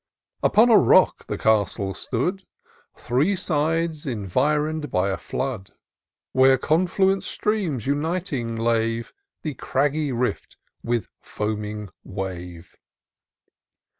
Upon a rock the castle stood, Three sides environed by a flood. Where confluent streams uniting lave The craggy rift with foaming wave.